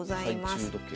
懐中時計。